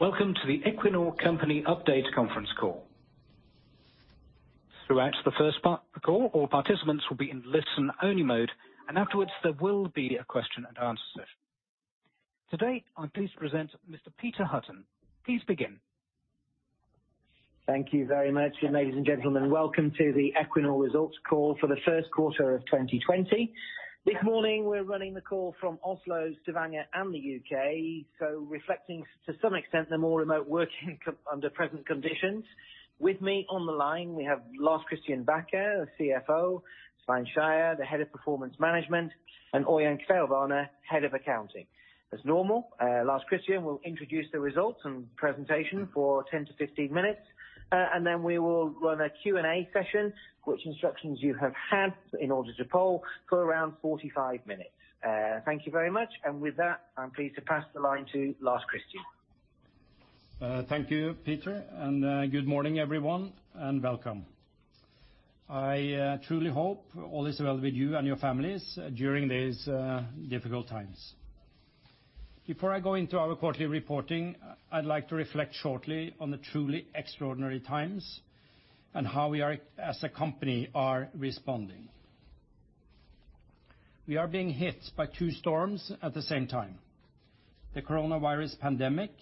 Welcome to the Equinor Company Update Conference Call. Throughout the first part of the call, all participants will be in listen-only mode, and afterwards, there will be a question and answer session. Today, I'm pleased to present Mr. Peter Hutton. Please begin. Thank you very much. Ladies and gentlemen, welcome to the Equinor results call for the first quarter of 2020. This morning, we're running the call from Oslo, Stavanger, and the U.K., reflecting to some extent, the more remote working under present conditions. With me on the line, we have Lars Christian Bacher, the CFO, Svein Skeie, the head of performance management, and Ørjan Kvelvane, head of accounting. As normal, Lars Christian will introduce the results and presentation for 10-15 minutes, and then we will run a Q&A session, which instructions you have had in order to poll for around 45 minutes. Thank you very much. With that, I'm pleased to pass the line to Lars Christian. Thank you, Peter, and good morning, everyone, and welcome. I truly hope all is well with you and your families during these difficult times. Before I go into our quarterly reporting, I'd like to reflect shortly on the truly extraordinary times and how we are, as a company, are responding. We are being hit by two storms at the same time, the coronavirus pandemic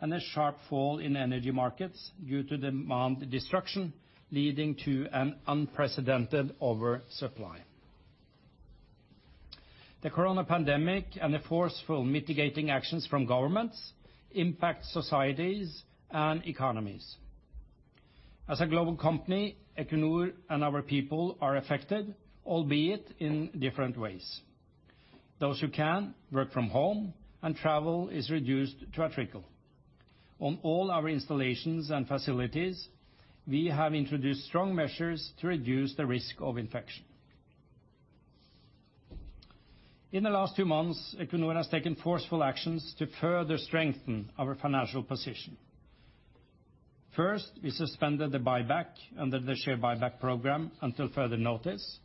and a sharp fall in energy markets due to demand destruction leading to an unprecedented oversupply. The corona pandemic and the forceful mitigating actions from governments impact societies and economies. As a global company, Equinor and our people are affected, albeit in different ways. Those who can, work from home, and travel is reduced to a trickle. On all our installations and facilities, we have introduced strong measures to reduce the risk of infection. In the last two months, Equinor has taken forceful actions to further strengthen our financial position. First, we suspended the buyback under the share buyback program until further notice.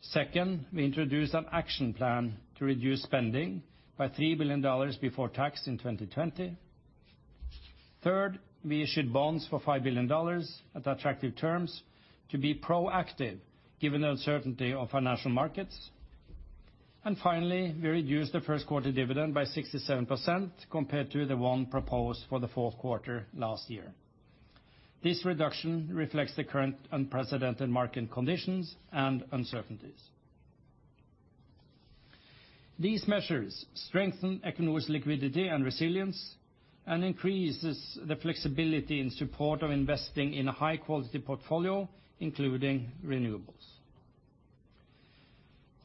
Second, we introduced an action plan to reduce spending by $3 billion before tax in 2020. Third, we issued bonds for $5 billion at attractive terms to be proactive given the uncertainty of financial markets. Finally, we reduced the first quarter dividend by 67% compared to the one proposed for the fourth quarter last year. This reduction reflects the current unprecedented market conditions and uncertainties. These measures strengthen Equinor's liquidity and resilience and increases the flexibility in support of investing in a high-quality portfolio, including renewables.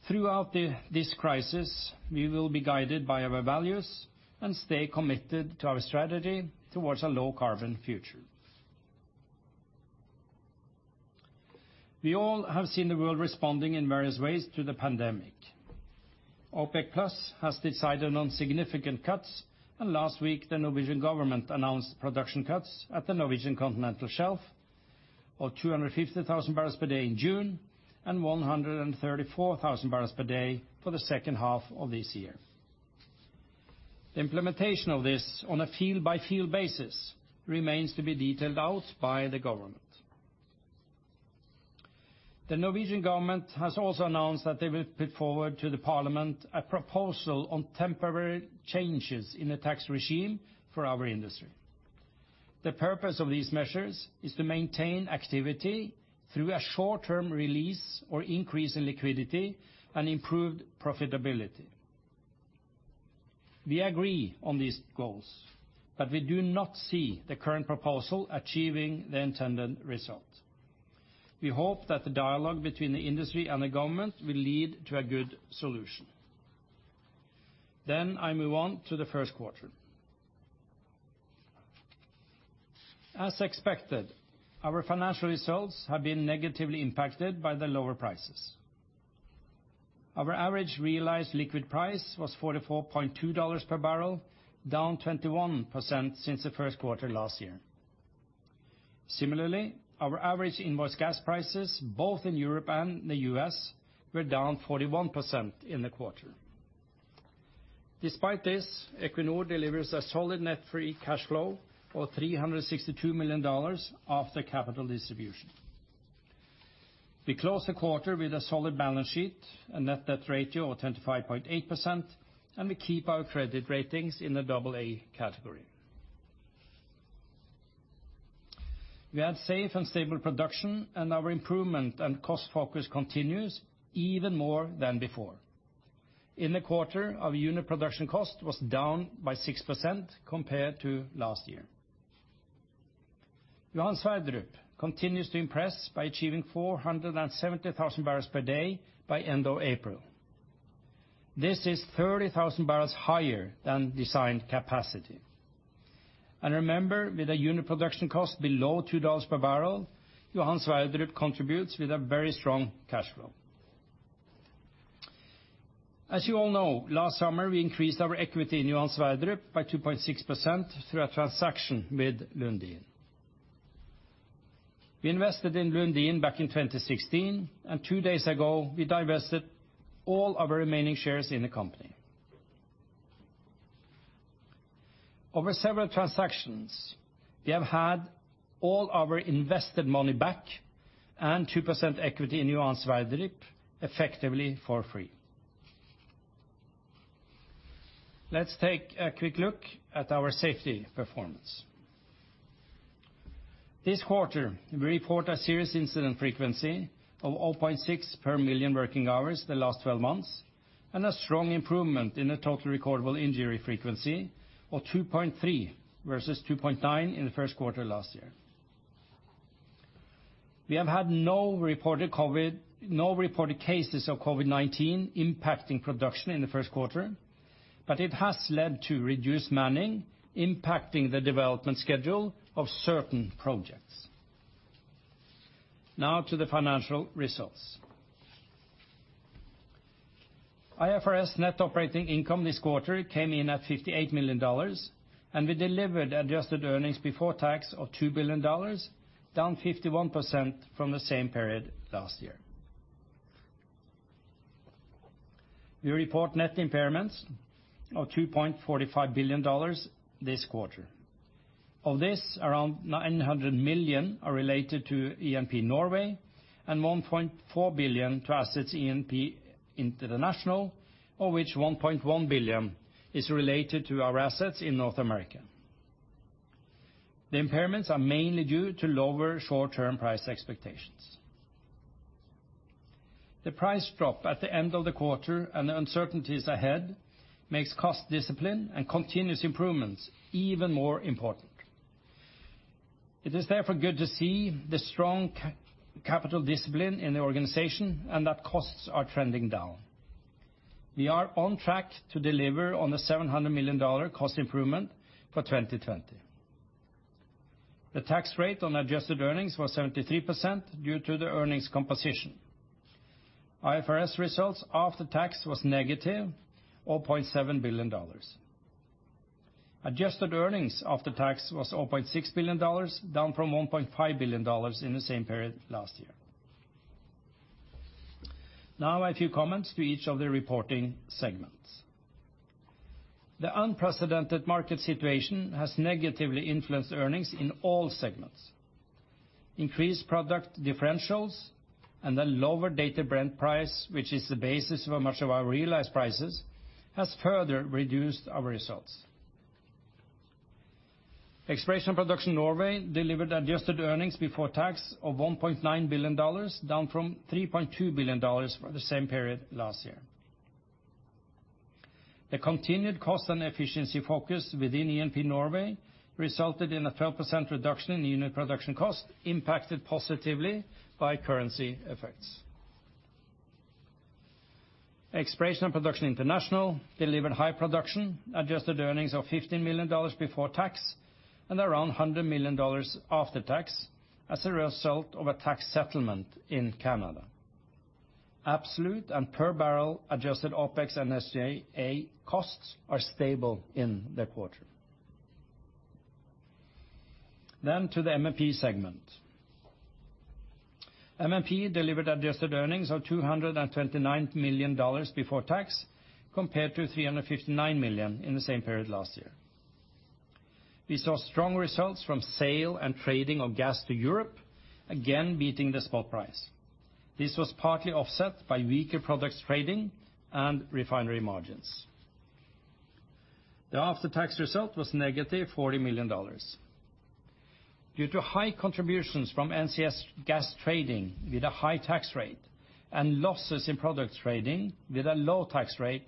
Throughout this crisis, we will be guided by our values and stay committed to our strategy towards a low-carbon future. We all have seen the world responding in various ways to the pandemic. OPEC+ has decided on significant cuts. Last week, the Norwegian government announced production cuts at the Norwegian Continental Shelf of 250,000 barrels per day in June and 134,000 barrels per day for the second half of this year. The implementation of this on a field-by-field basis remains to be detailed out by the government. The Norwegian government has also announced that they will put forward to the Parliament a proposal on temporary changes in the tax regime for our industry. The purpose of these measures is to maintain activity through a short-term release or increase in liquidity and improved profitability. We agree on these goals. We do not see the current proposal achieving the intended result. We hope that the dialogue between the industry and the government will lead to a good solution. I move on to the first quarter. As expected, our financial results have been negatively impacted by the lower prices. Our average realized liquid price was $44.2 per barrel, down 21% since the first quarter last year. Similarly, our average invoice gas prices, both in Europe and the U.S., were down 41% in the quarter. Despite this, Equinor delivers a solid net free cash flow of $362 million after capital distribution. We close the quarter with a solid balance sheet, a net debt ratio of 25.8%, and we keep our credit ratings in the double A category. We had safe and stable production and our improvement and cost focus continues even more than before. In the quarter, our unit production cost was down by 6% compared to last year. Johan Sverdrup continues to impress by achieving 470,000 barrels per day by end of April. This is 30,000 barrels higher than designed capacity. Remember, with a unit production cost below$2 per barrel, Johan Sverdrup contributes with a very strong cash flow. As you all know, last summer, we increased our equity in Johan Sverdrup by 2.6% through a transaction with Lundin. We invested in Lundin back in 2016, two days ago, we divested all our remaining shares in the company. Over several transactions, we have had all our invested money back and 2% equity in Johan Sverdrup effectively for free. Let's take a quick look at our safety performance. This quarter, we report a serious incident frequency of 600,000 per working hours the last 12 months, a strong improvement in the total recordable injury frequency of 2.3 versus 2.9 in the first quarter last year. We have had no reported cases of COVID-19 impacting production in the first quarter, but it has led to reduced manning, impacting the development schedule of certain projects. Now to the financial results. IFRS net operating income this quarter came in at $58 million. We delivered adjusted earnings before tax of $2 billion, down 51% from the same period last year. We report net impairments of $2.45 billion this quarter. Of this, around $900 million are related to E&P Norway and $1.4 billion to assets E&P International, of which $1.1 billion is related to our assets in North America. The impairments are mainly due to lower short-term price expectations. The price drop at the end of the quarter and the uncertainties ahead makes cost discipline and continuous improvements even more important. It is therefore good to see the strong capital discipline in the organization and that costs are trending down. We are on track to deliver on the $700 million cost improvement for 2020. The tax rate on adjusted earnings was 73% due to the earnings composition. IFRS results after tax was negative $700 million. Adjusted earnings after tax was $600 million, down from $1.5 billion in the same period last year. Now a few comments to each of the reporting segments. The unprecedented market situation has negatively influenced earnings in all segments. Increased product differentials and a lower Dated Brent price, which is the basis for much of our realized prices, has further reduced our results. Exploration Production Norway delivered adjusted earnings before tax of $1.9 billion, down from $3.2 billion for the same period last year. The continued cost and efficiency focus within E&P Norway resulted in a 12% reduction in unit production cost impacted positively by currency effects. E&P International delivered high production, adjusted earnings of $15 million before tax, and around $100 million after tax as a result of a tax settlement in Canada. Absolute and per-barrel adjusted OpEx and SG&A costs are stable in the quarter. To the MMP segment. MMP delivered adjusted earnings of $229 million before tax, compared to $359 million in the same period last year. We saw strong results from sale and trading of gas to Europe, again beating the spot price. This was partly offset by weaker products trading and refinery margins. The after-tax result was negative $40 million. Due to high contributions from NCS gas trading with a high tax rate and losses in product trading with a low tax rate,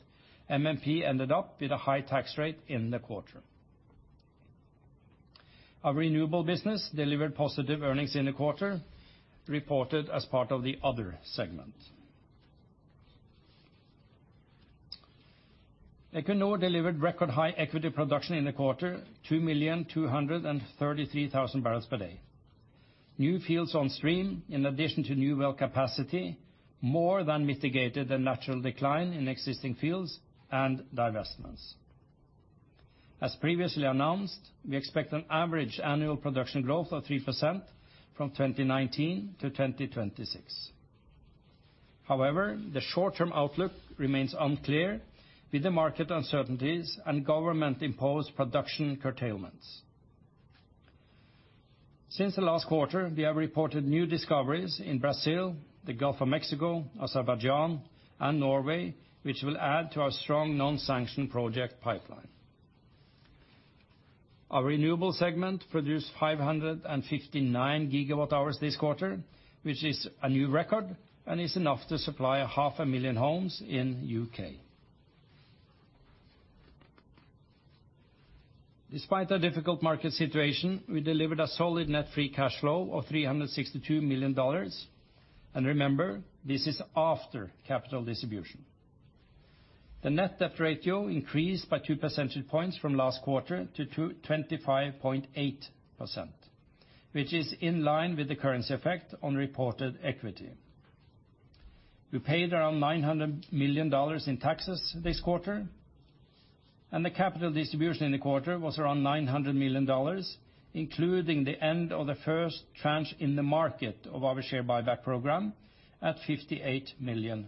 MMP ended up with a high tax rate in the quarter. Our renewable business delivered positive earnings in the quarter, reported as part of the other segment. Equinor delivered record-high equity production in the quarter, 2,233,000 barrels per day. New fields on stream, in addition to new well capacity, more than mitigated the natural decline in existing fields and divestments. As previously announced, we expect an average annual production growth of 3% from 2019 to 2026. The short-term outlook remains unclear with the market uncertainties and government-imposed production curtailments. Since the last quarter, we have reported new discoveries in Brazil, the Gulf of Mexico, Azerbaijan, and Norway, which will add to our strong non-sanctioned project pipeline. Our renewable segment produced 559 GWh this quarter, which is a new record and is enough to supply half a million homes in U.K. Despite a difficult market situation, we delivered a solid net free cash flow of $362 million. Remember, this is after capital distribution. The net debt ratio increased by two percentage points from last quarter to 25.8%, which is in line with the currency effect on reported equity. We paid around $900 million in taxes this quarter. The capital distribution in the quarter was around $900 million, including the end of the first tranche in the market of our share buyback program at $58 million.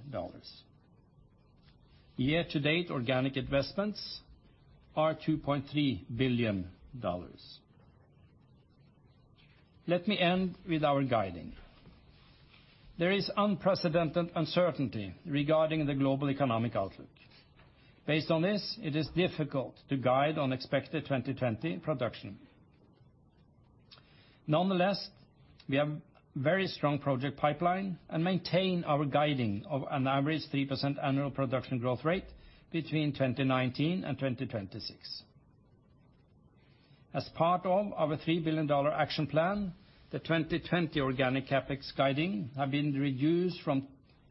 Year-to-date organic investments are $2.3 billion. Let me end with our guiding. There is unprecedented uncertainty regarding the global economic outlook. Based on this, it is difficult to guide on expected 2020 production. Nonetheless, we have very strong project pipeline and maintain our guiding of an average 3% annual production growth rate between 2019 and 2026. As part of our $3 billion action plan, the 2020 organic CapEx guiding have been reduced from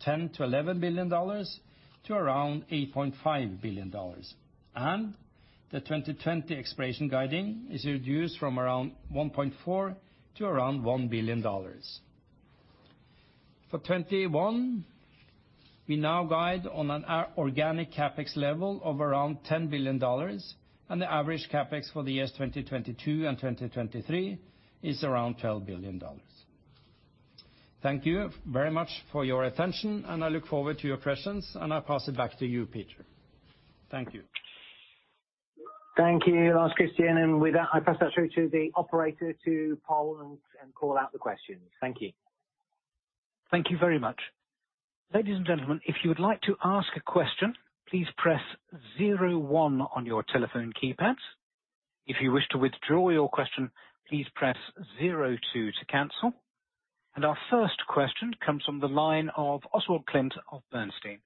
$10 billion-$11 billion to around $8.5 billion. The 2020 exploration guiding is reduced from around $1.4 billion to around $1 billion. For 2021, we now guide on an organic CapEx level of around $10 billion. The average CapEx for the years 2022 and 2023 is around $12 billion. Thank you very much for your attention. I look forward to your questions. I pass it back to you, Peter. Thank you. Thank you, Lars Christian. With that, I pass that through to the operator to poll and call out the questions. Thank you. Thank you very much. Ladies and gentlemen, if you would like to ask a question, please press zero one on your telephone keypads. If you wish to withdraw your question, please press zero two to cancel. Our first question comes from the line of Oswald Clint of Bernstein.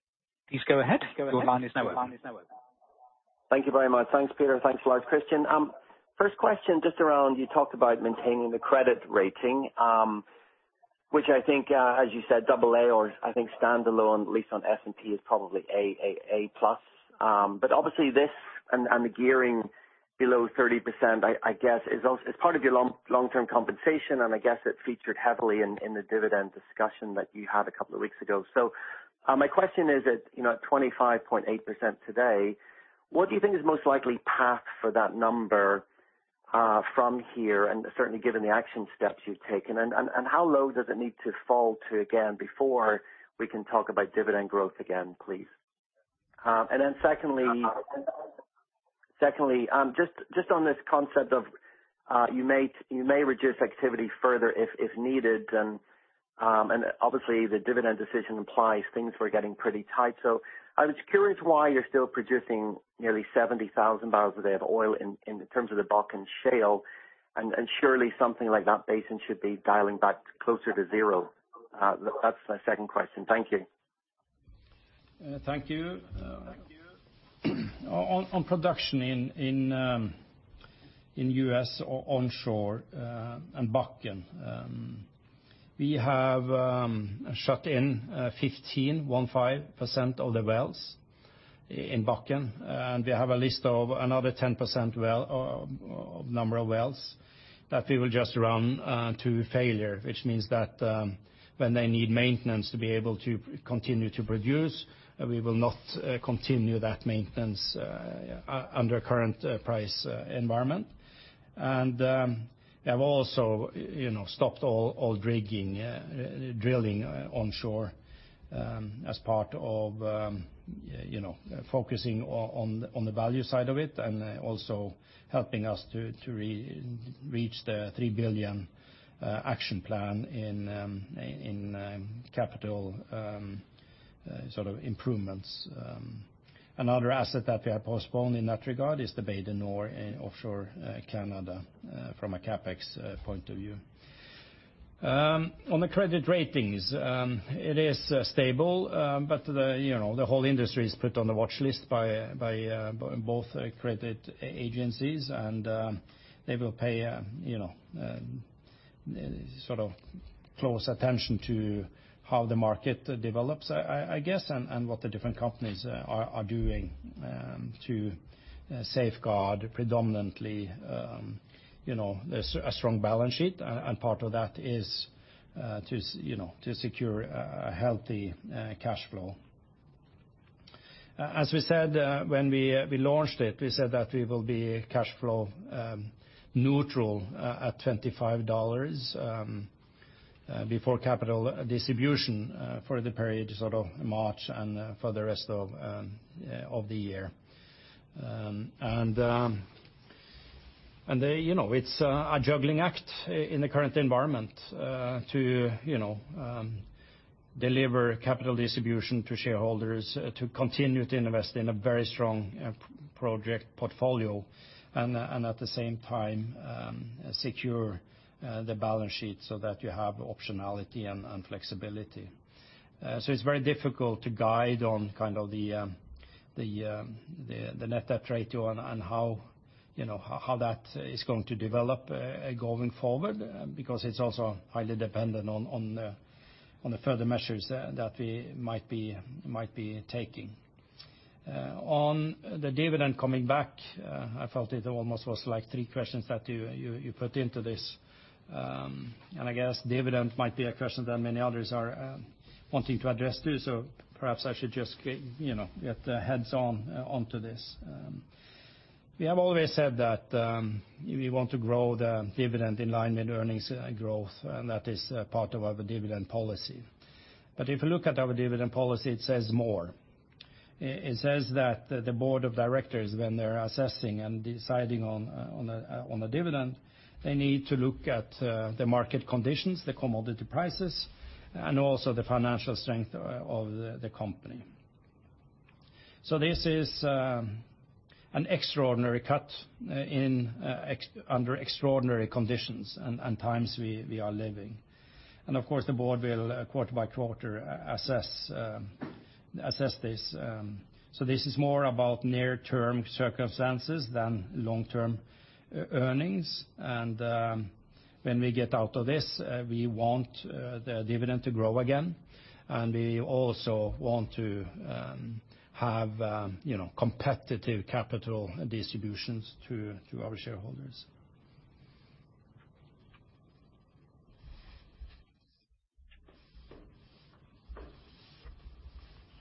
Please go ahead. Your line is now open. Thank you very much. Thanks, Peter. Thanks, Lars Christian. First question, just around, you talked about maintaining the credit rating, which I think, as you said, AA or I think standalone, at least on S&P, is probably AAA+. Obviously, this and the gearing below 30%, I guess is part of your long-term compensation, and I guess it featured heavily in the dividend discussion that you had a couple of weeks ago. My question is, at 25.8% today, what do you think is most likely path for that number from here, and certainly given the action steps you've taken, and how low does it need to fall to again before we can talk about dividend growth again, please? Secondly, just on this concept of you may reduce activity further if needed, and obviously the dividend decision implies things were getting pretty tight. I was curious why you're still producing nearly 70,000 barrels a day of oil in terms of the Bakken Shale, and surely something like that basin should be dialing back closer to zero. That's my second question. Thank you. Thank you. On production in U.S. onshore and Bakken, we have shut in 15% of the wells in Bakken, and we have a list of another 10% number of wells that we will just run to failure, which means that when they need maintenance to be able to continue to produce, we will not continue that maintenance under current price environment. Have also stopped all drilling onshore as part of focusing on the value side of it and also helping us to reach the $3 billion action plan in capital improvements. Another asset that we have postponed in that regard is the Bay du Nord offshore Canada from a CapEx point of view. On the credit ratings, it is stable. The whole industry is put on the watchlist by both credit agencies. They will pay close attention to how the market develops, I guess, and what the different companies are doing to safeguard predominantly a strong balance sheet. Part of that is to secure a healthy cash flow. As we said when we launched it, we said that we will be cash flow neutral at $25 before capital distribution for the period March and for the rest of the year. It's a juggling act in the current environment to deliver capital distribution to shareholders, to continue to invest in a very strong project portfolio and at the same time secure the balance sheet so that you have optionality and flexibility. It's very difficult to guide on the net debt ratio and how that is going to develop going forward, because it's also highly dependent on the further measures that we might be taking. On the dividend coming back, I felt it almost was like three questions that you put into this. I guess dividend might be a question that many others are wanting to address, too. Perhaps I should just get heads on onto this. We have always said that we want to grow the dividend in line with earnings growth, and that is part of our dividend policy. If you look at our dividend policy, it says more. It says that the board of directors, when they're assessing and deciding on a dividend, they need to look at the market conditions, the commodity prices, and also the financial strength of the company. This is an extraordinary cut under extraordinary conditions and times we are living. Of course, the board will quarter-by-quarter assess this. This is more about near-term circumstances than long-term earnings. When we get out of this, we want the dividend to grow again. We also want to have competitive capital distributions to our shareholders.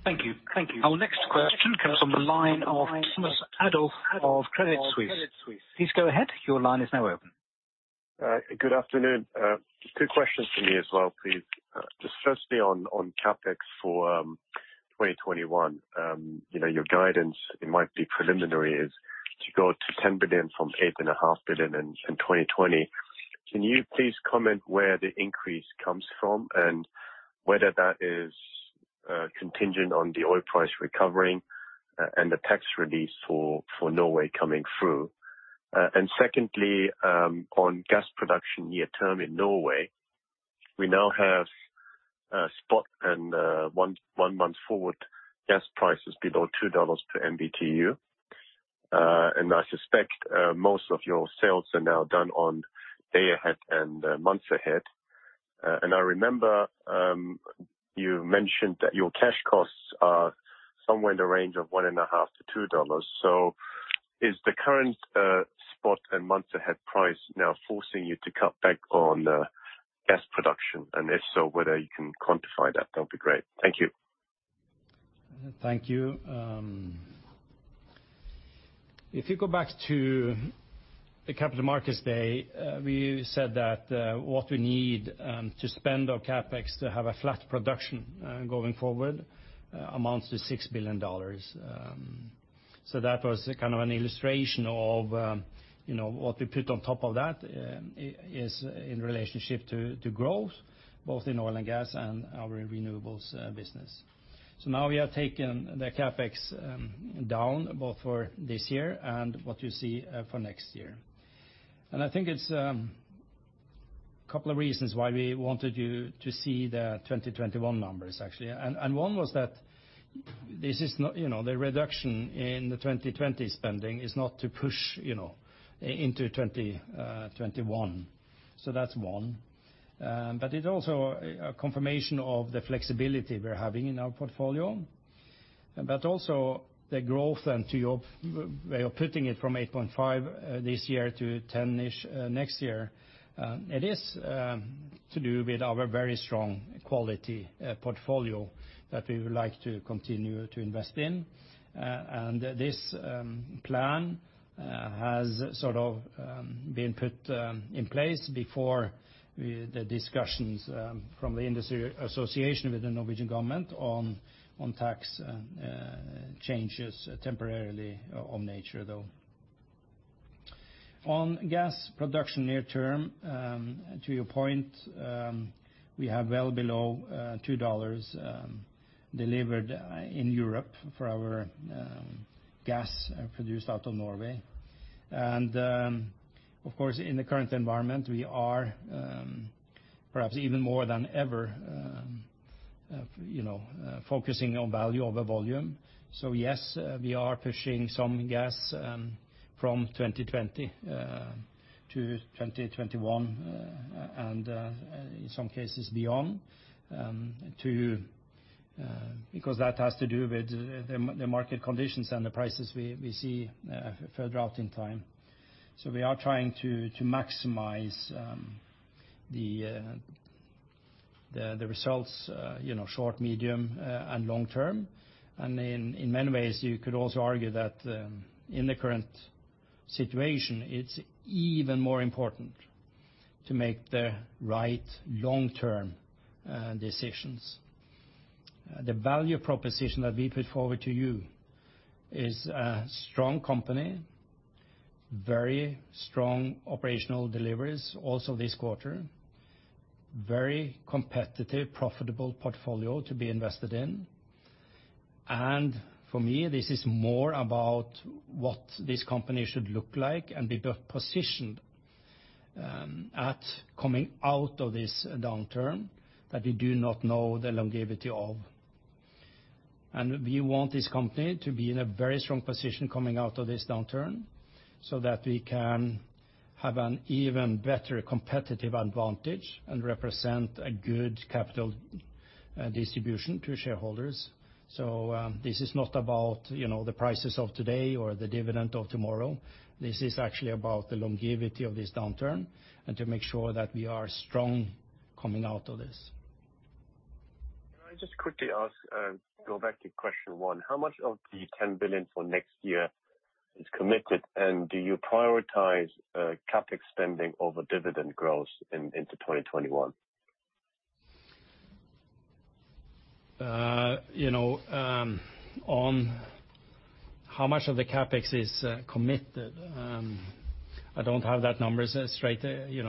Thank you. Our next question comes from the line of Thomas Adolff of Credit Suisse. Please go ahead. Your line is now open. Good afternoon. Two questions from me as well, please. Just firstly on CapEx for 2021. Your guidance, it might be preliminary, is to go to $10 billion from $8.5 billion in 2020. Can you please comment where the increase comes from and whether that is contingent on the oil price recovering and the tax release for Norway coming through? Secondly, on gas production near-term in Norway, we now have spot and one month forward gas prices below $2 per MMBtu. I suspect most of your sales are now done on day-ahead and months ahead. I remember, you mentioned that your cash costs are somewhere in the range of $1.50-$2. Is the current spot and months ahead price now forcing you to cut back on gas production? If so, whether you can quantify that'll be great. Thank you. Thank you. If you go back to the Capital Markets Day, we said that what we need to spend on CapEx to have a flat production going forward amounts to $6 billion. That was kind of an illustration of what we put on top of that is in relationship to growth, both in oil and gas and our renewables business. Now we have taken the CapEx down both for this year and what you see for next year. I think it's couple of reasons why we wanted you to see the 2021 numbers, actually. One was that the reduction in the 2020 spending is not to push into 2021. That's one. It also a confirmation of the flexibility we're having in our portfolio, but also the growth and to your way of putting it from $8.5 billion this year to $10 billion-ish next year. It is to do with our very strong quality portfolio that we would like to continue to invest in. This plan has sort of been put in place before the discussions from the industry association with the Norwegian government on tax changes temporarily of nature, though. On gas production near term, to your point, we have well below $2 delivered in Europe for our gas produced out of Norway. Of course, in the current environment, we are perhaps even more than ever focusing on value over volume. Yes, we are pushing some gas from 2020 to 2021, and in some cases beyond. That has to do with the market conditions and the prices we see further out in time. We are trying to maximize the results short, medium, and long term. In many ways, you could also argue that in the current situation, it's even more important to make the right long-term decisions. The value proposition that we put forward to you is a strong company, very strong operational deliveries also this quarter. Very competitive, profitable portfolio to be invested in. For me, this is more about what this company should look like and be positioned at coming out of this downturn that we do not know the longevity of. We want this company to be in a very strong position coming out of this downturn so that we can have an even better competitive advantage and represent a good capital-distribution to shareholders. This is not about the prices of today or the dividend of tomorrow. This is actually about the longevity of this downturn and to make sure that we are strong coming out of this. Can I just quickly ask, go back to question one, how much of the $10 billion for next year is committed, and do you prioritize CapEx spending over dividend growth into 2021? On how much of the CapEx is committed, I don't have that numbers straight in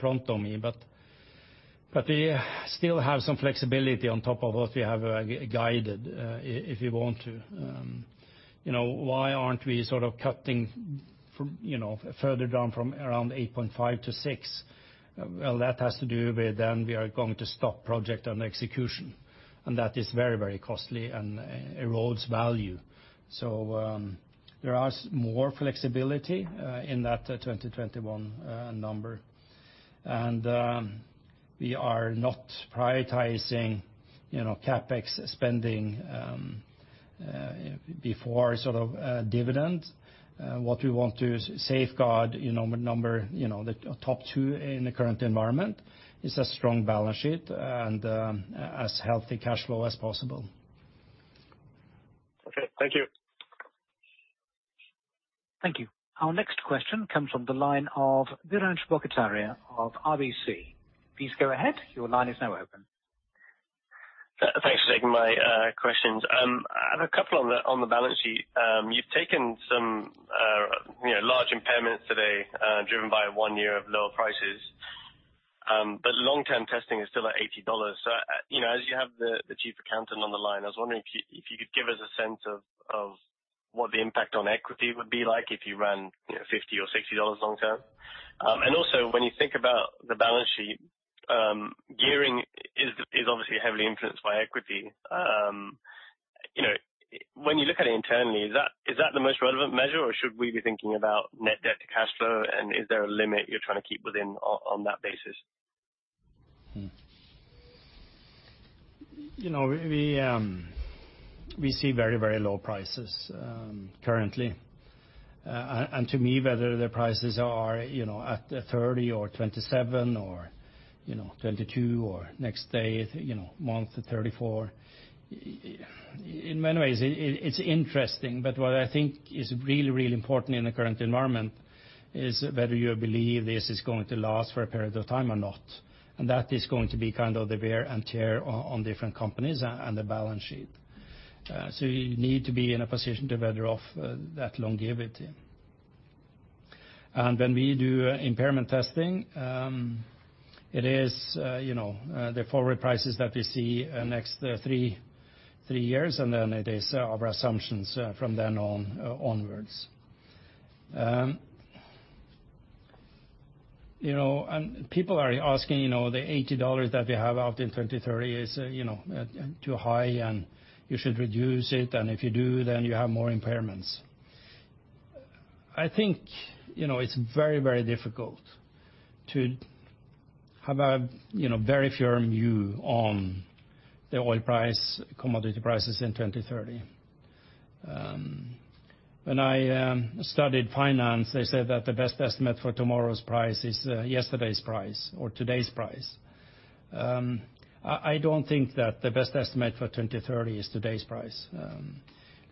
front of me, but we still have some flexibility on top of what we have guided, if we want to. Why aren't we sort of cutting further down from around $8.5 billion-$ 6 billion? Well, that has to do with we are going to stop project on execution. That is very, very costly and erodes value. There are more flexibility in that 2021 number. We are not prioritizing CapEx spending before dividend. What we want to safeguard, the top two in the current environment is a strong balance sheet and as healthy cash flow as possible. Okay, thank you. Thank you. Our next question comes from the line of Biraj Borkhataria of RBC. Please go ahead. Your line is now open. Thanks for taking my questions. I have a couple on the balance sheet. You've taken some large impairments today, driven by one year of lower prices. Long-term testing is still at $80. As you have the chief accountant on the line, I was wondering if you could give us a sense of what the impact on equity would be like if you ran $50 or $60 long term. When you think about the balance sheet, gearing is obviously heavily influenced by equity. When you look at it internally, is that the most relevant measure, or should we be thinking about net debt to cash flow, and is there a limit you're trying to keep within on that basis? We see very, very low prices currently. To me, whether the prices are at $30 or $27 or $22 or next day, month, $34, in many ways, it's interesting. What I think is really, really important in the current environment is whether you believe this is going to last for a period of time or not. That is going to be the wear and tear on different companies and the balance sheet. You need to be in a position to weather off that longevity. When we do impairment testing, it is the forward prices that we see next three years, and then it is our assumptions from then onwards. People are asking the $80 that we have out in 2030 is too high, and you should reduce it, and if you do, then you have more impairments. I think it's very, very difficult to have a very firm view on the oil price, commodity prices in 2030. When I studied finance, they said that the best estimate for tomorrow's price is yesterday's price or today's price. I don't think that the best estimate for 2030 is today's price.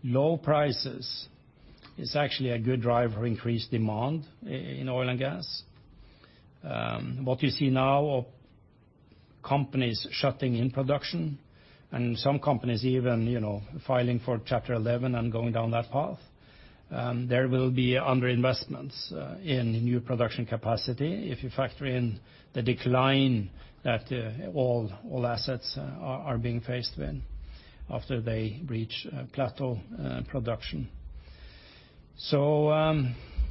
Low prices is actually a good driver increased demand in oil and gas. What you see now are companies shutting in production and some companies even filing for Chapter 11 and going down that path. There will be underinvestments in new production capacity if you factor in the decline that all assets are being faced with after they reach plateau production.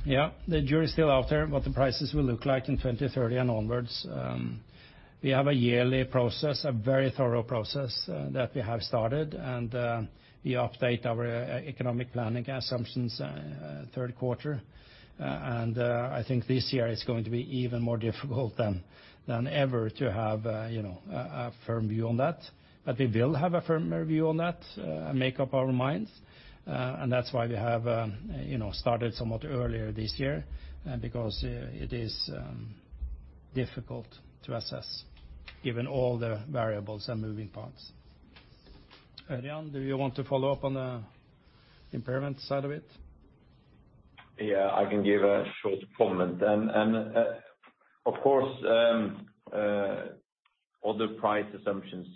The jury's still out there, what the prices will look like in 2030 and onwards. We have a yearly process, a very thorough process that we have started, and we update our economic planning assumptions third quarter. I think this year it's going to be even more difficult than ever to have a firm view on that. We will have a firmer view on that and make up our minds. That's why we have started somewhat earlier this year because it is difficult to assess given all the variables and moving parts. Ørjan, do you want to follow up on the impairment side of it? Yeah, I can give a short comment. Of course, all the price assumptions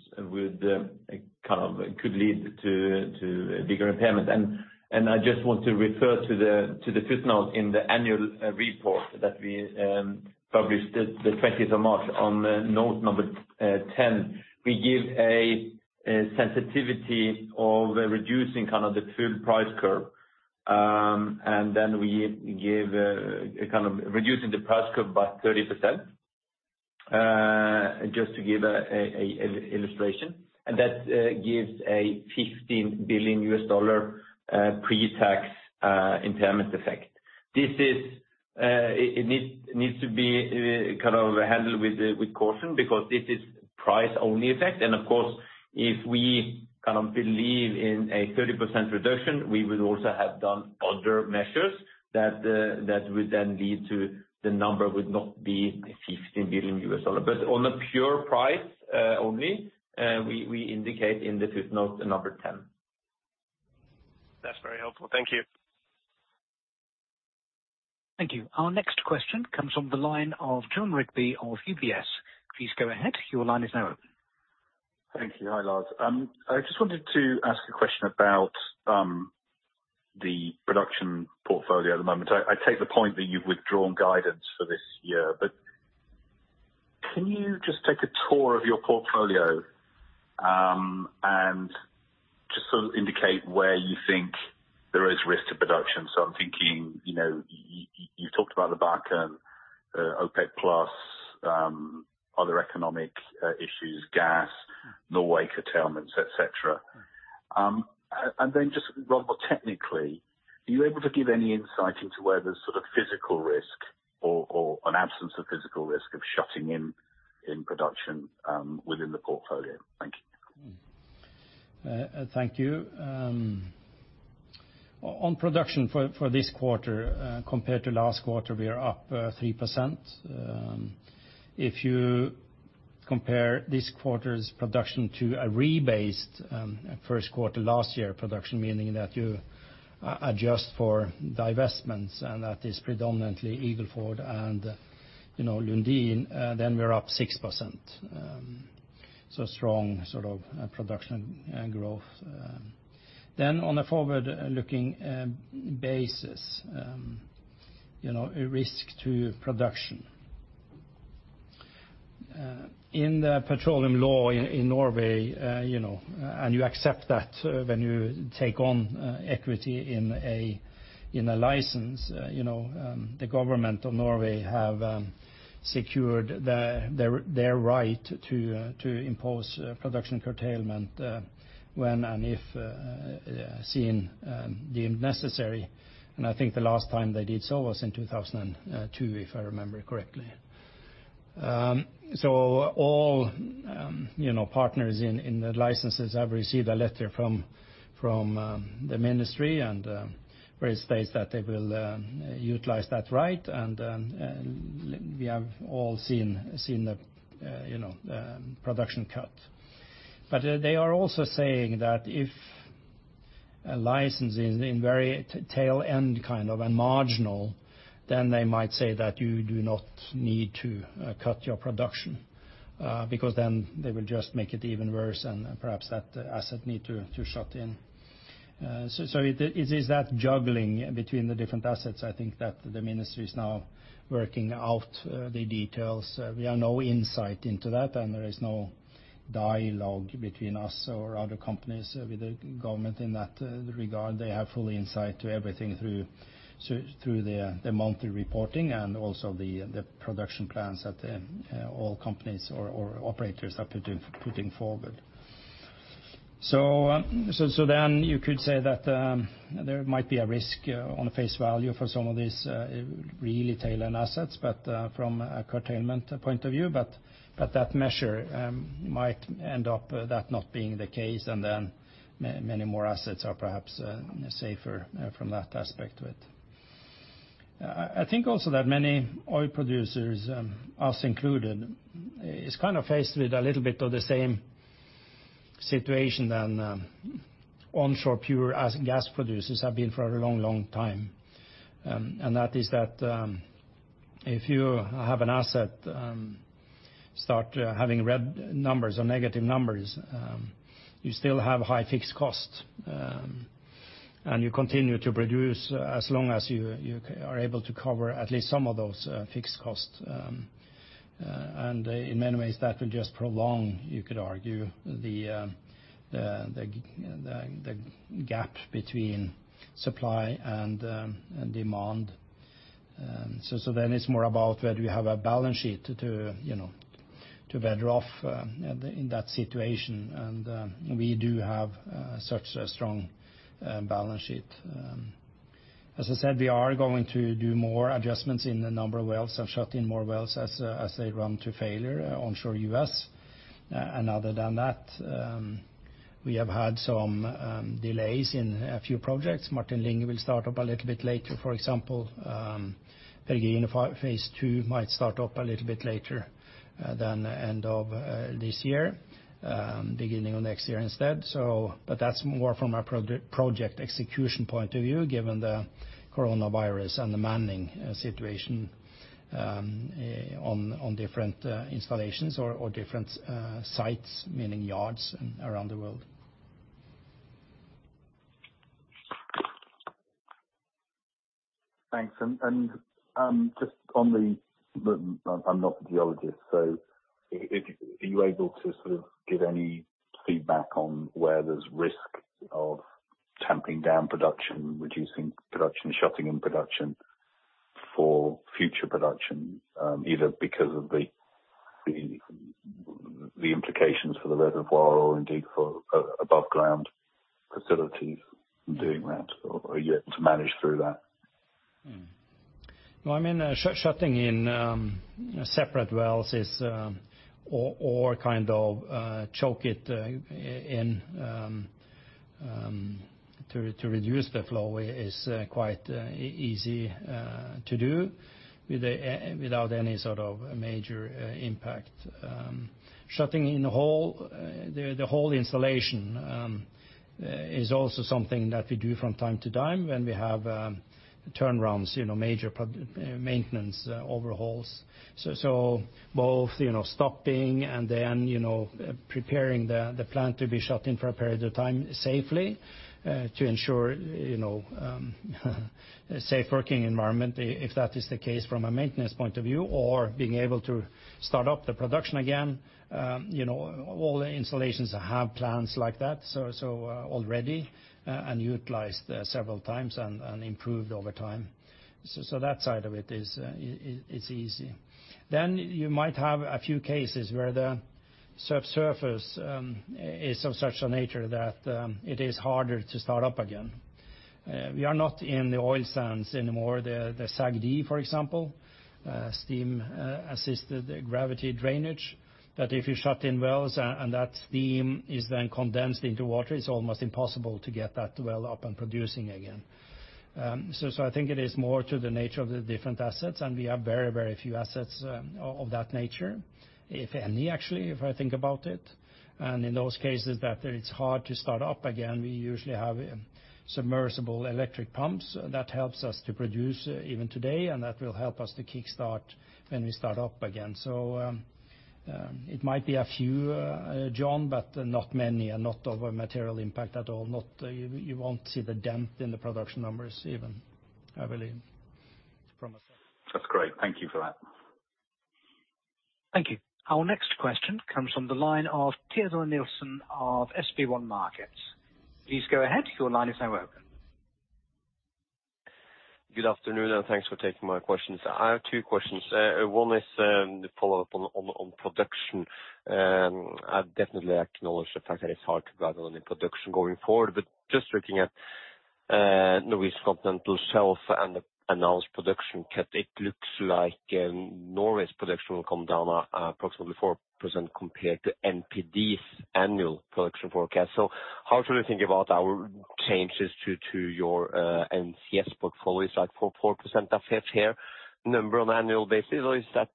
could lead to bigger impairment. I just want to refer to the footnote in the annual report that we published the 20th of March on note number 10. We give a sensitivity of reducing the full price curve, and then we give a kind of reducing the price curve by 30%, just to give an illustration. That gives a $15 billion pre-tax impairment effect. This needs to be handled with caution, because this is price-only effect. Of course, if we believe in a 30% reduction, we will also have done other measures that would then lead to the number would not be $15 billion. On a pure price only, we indicate in the footnote the number 10. That's very helpful. Thank you. Thank you. Our next question comes from the line of Jon Rigby of UBS. Please go ahead. Your line is now open. Thank you. Hi, Lars. I just wanted to ask a question about the production portfolio at the moment. I take the point that you've withdrawn guidance for this year, but can you just take a tour of your portfolio, and just sort of indicate where you think there is risk to production? I'm thinking, you talked about the back end, OPEC+ other economic issues, gas, Norway curtailments, et cetera. Then just technically, are you able to give any insight into where there's sort of physical risk or an absence of physical risk of shutting in production within the portfolio? Thank you. Thank you. On production for this quarter compared to last quarter, we are up 3%. If you compare this quarter's production to a rebased first quarter last year production, meaning that you adjust for divestments, and that is predominantly Eagle Ford and Lundin, we're up 6%. Strong sort of production growth. On a forward-looking basis, risk to production. In the petroleum law in Norway, you accept that when you take on equity in a license, the government of Norway have secured their right to impose production curtailment when and if seen deemed necessary. I think the last time they did so was in 2002, if I remember correctly. All partners in the licenses have received a letter from the ministry and where it states that they will utilize that right, and we have all seen the production cut. They are also saying that if a license is in very tail end kind of and marginal, then they might say that you do not need to cut your production, because then they will just make it even worse and perhaps that asset need to shut in. It is that juggling between the different assets, I think that the Ministry is now working out the details. We have no insight into that, and there is no dialogue between us or other companies with the Government in that regard. They have full insight to everything through their monthly reporting and also the production plans that all companies or operators are putting forward. You could say that there might be a risk on face value for some of these really tail end assets, but from a curtailment point of view. That measure might end up that not being the case, and then many more assets are perhaps safer from that aspect to it. I think also that many oil producers, us included, is kind of faced with a little bit of the same situation than onshore pure gas producers have been for a long, long time. That is that if you have an asset start having red numbers or negative numbers, you still have high fixed costs. You continue to produce as long as you are able to cover at least some of those fixed costs. In many ways, that will just prolong, you could argue, the gap between supply and demand. It's more about whether you have a balance sheet to weather off in that situation, and we do have such a strong balance sheet. As I said, we are going to do more adjustments in the number of wells and shut in more wells as they run to failure onshore U.S. Other than that, we have had some delays in a few projects. Martin Linge will start up a little bit later, for example. Peregrino Phase II might start up a little bit later than end of this year, beginning of next year instead. That's more from a project execution point of view, given the coronavirus and the manning situation on different installations or different sites, meaning yards around the world. Thanks. Just on the, I'm not a geologist, so are you able to sort of give any feedback on where there's risk of tamping down production, reducing production, shutting in production for future production, either because of the implications for the reservoir or indeed for above ground facilities doing that, are you able to manage through that? Well, shutting in separate wells or choke it to reduce the flow is quite easy to do without any sort of major impact. Shutting in the whole installation is also something that we do from time to time when we have turnarounds, major maintenance overhauls. Both stopping and then preparing the plant to be shut in for a period of time safely to ensure safe working environment, if that is the case from a maintenance point of view, or being able to start up the production again, all the installations have plans like that already and utilized several times and improved over time. That side of it is easy. You might have a few cases where the subsurface is of such a nature that it is harder to start up again. We are not in the oil sands anymore, the SAGD, for example, Steam-Assisted Gravity Drainage, that if you shut in wells and that steam is then condensed into water, it's almost impossible to get that well up and producing again. I think it is more to the nature of the different assets, and we have very few assets of that nature, if any, actually, if I think about it. In those cases that it's hard to start up again, we usually have submersible electric pumps that helps us to produce even today, and that will help us to kick-start when we start up again. It might be a few, Jon, but not many and not of a material impact at all. You won't see the dent in the production numbers even, I believe, from us. That's great. Thank you for that. Thank you. Our next question comes from the line of Teodor Nilsen Nilsen of SB1 Markets. Please go ahead. Your line is now open. Good afternoon. Thanks for taking my questions. I have two questions. One is the follow-up on production. I definitely acknowledge the fact that it's hard to guide on the production going forward. Just looking at Norwegian Continental Shelf and the announced production cut, it looks like Norway's production will come down approximately 4% compared to NPD's annual production forecast. How should we think about our changes to your NCS portfolios, like 4% effect here number on annual basis or is that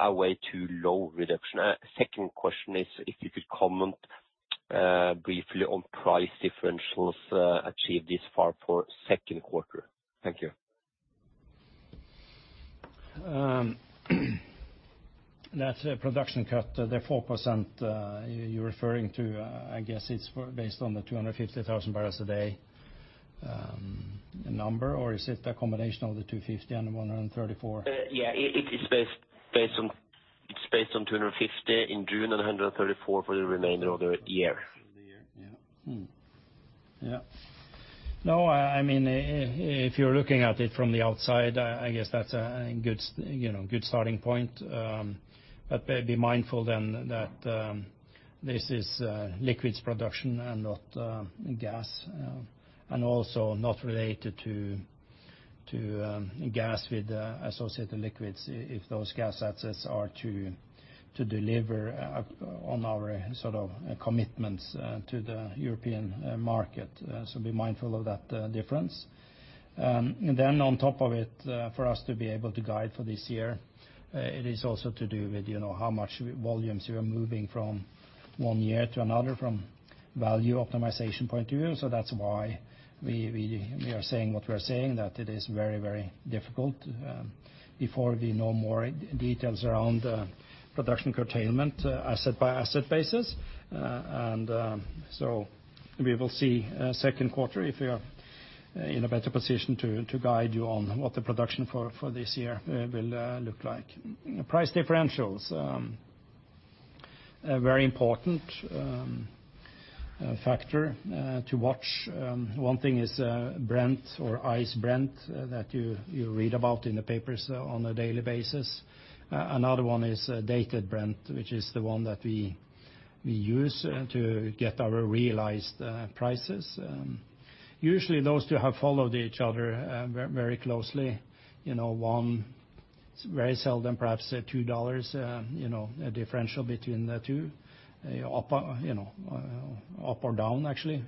a way too low reduction? Second question is if you could comment briefly on price differentials achieved this far for second quarter. Thank you. That production cut, the 4% you are referring to, I guess it is based on the 250,000 barrels a day number or is it a combination of the 250,000 and the 134,000? Yeah, it's based on 250,000 in June and 134,000 for the remainder of the year. If you're looking at it from the outside, I guess that's a good starting point. Be mindful then that this is liquids production and not gas. Also not related to gas with associated liquids if those gas assets are to deliver on our commitments to the European market. Be mindful of that difference. On top of it, for us to be able to guide for this year, it is also to do with how much volumes you are moving from one year to another from value optimization point of view. That's why we are saying what we are saying, that it is very difficult before we know more details around the production curtailment asset-by-asset basis. We will see second quarter if we are in a better position to guide you on what the production for this year will look like. Price differentials. A very important factor to watch. One thing is Brent or ICE Brent that you read about in the papers on a daily basis. Another one is Dated Brent, which is the one that we use to get our realized prices. Usually those two have followed each other very closely. One very seldom, perhaps $2, a differential between the two up or down actually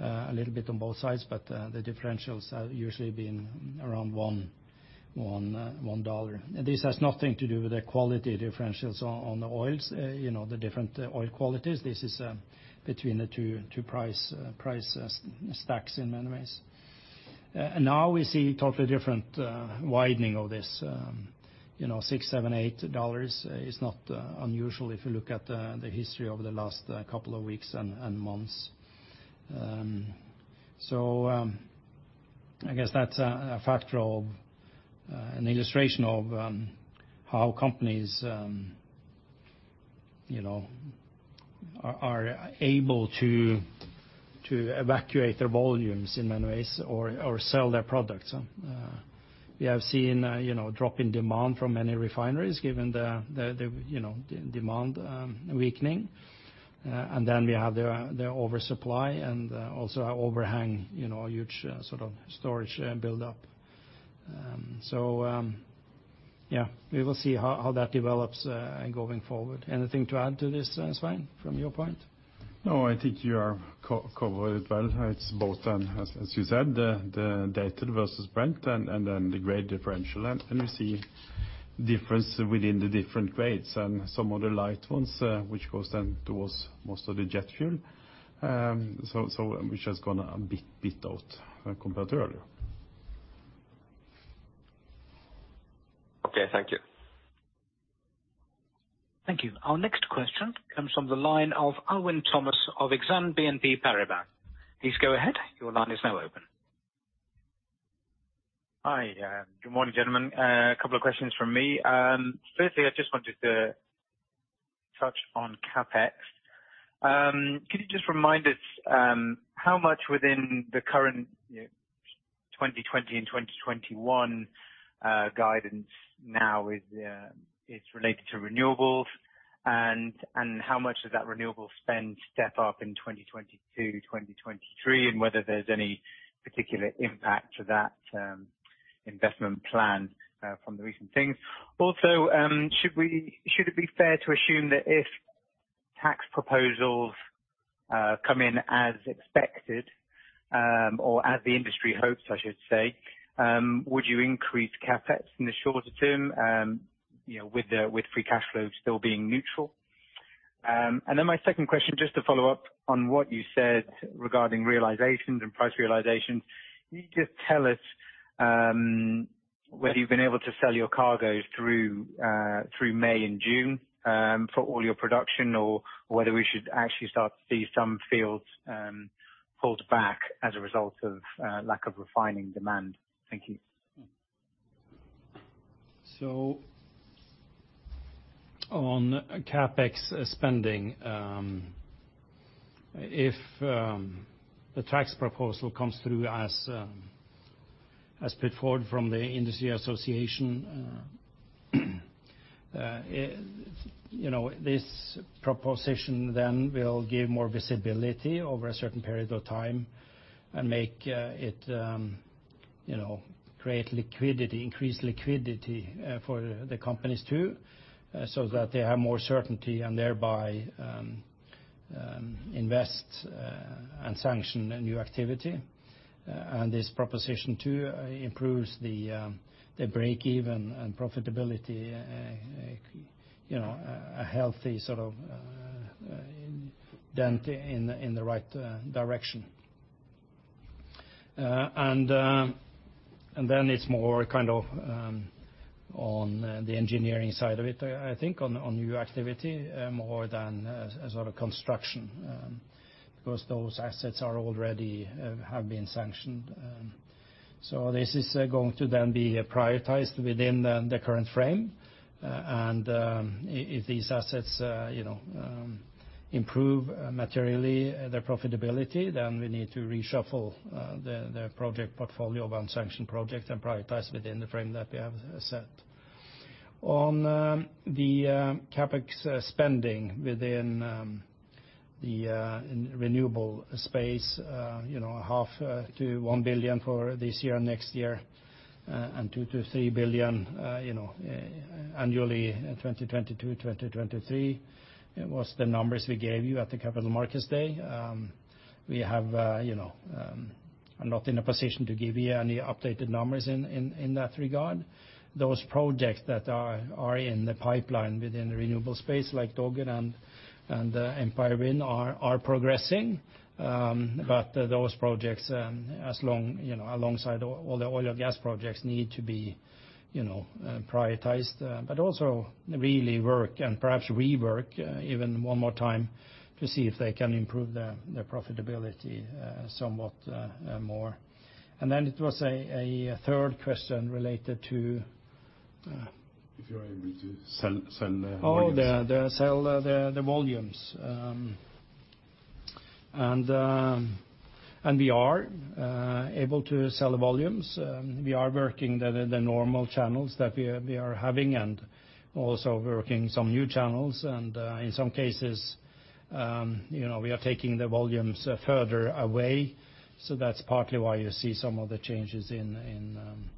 a little bit on both sides, but the differentials have usually been around $1. This has nothing to do with the quality differentials on the oils, the different oil qualities. This is between the two price stacks in many ways. Now we see totally different widening of this. $6, $7, $8 is not unusual if you look at the history over the last couple of weeks and months. I guess that's a factor of an illustration of how companies are able to evacuate their volumes in many ways or sell their products. We have seen a drop in demand from many refineries, given the demand weakening. We have the oversupply and also our overhang, a huge storage buildup. Yeah, we will see how that develops going forward. Anything to add to this, Svein, from your point? No, I think you have covered it well. It's both, as you said, the Dated Brent versus Brent and then the grade differential. You see differences within the different grades and some of the light ones, which goes then towards most of the jet fuel, which has gone a bit out when compared to earlier. Okay, thank you. Thank you. Our next question comes from the line of Alwyn Thomas of Exane BNP Paribas. Please go ahead. Your line is now open. Hi. Good morning, gentlemen. A couple of questions from me. I just wanted to touch on CapEx. Can you just remind us how much within the current 2020 and 2021 guidance now is related to renewables, and how much does that renewable spend step up in 2022, 2023, and whether there's any particular impact to that investment plan from the recent things? Should it be fair to assume that if tax proposals come in as expected, or as the industry hopes, I should say, would you increase CapEx in the shorter term, with free cash flow still being neutral? My second question, just to follow up on what you said regarding realizations and price realizations. Can you just tell us whether you've been able to sell your cargoes through May and June for all your production or whether we should actually start to see some fields pulled back as a result of lack of refining demand? Thank you. On CapEx spending, if the tax proposal comes through as put forward from the industry association, this proposition then will give more visibility over a certain period of time and create liquidity, increase liquidity for the companies too, so that they have more certainty and thereby invest and sanction new activity. This proposition too improves the break-even and profitability a healthy dent in the right direction. Then it's more on the engineering side of it, I think on new activity more than construction, because those assets already have been sanctioned. This is going to then be prioritized within the current frame, and if these assets improve materially their profitability, then we need to reshuffle the project portfolio of unsanctioned projects and prioritize within the frame that we have set. On the CapEx spending within the renewable space, $500 million to $1 billion for this year and next year, and $2 billion-$3 billion annually in 2022, 2023, was the numbers we gave you at the Capital Markets Day. We are not in a position to give you any updated numbers in that regard. Those projects that are in the pipeline within the renewable space like Dogger and Empire Wind are progressing. Those projects, alongside all the oil and gas projects, need to be prioritized, also really work and perhaps rework even one more time to see if they can improve their profitability somewhat more. It was a third question related to. If you are able to sell the volumes. Sell the volumes. We are able to sell the volumes. We are working the normal channels that we are having and also working some new channels. In some cases we are taking the volumes further away. That's partly why you see some of the changes in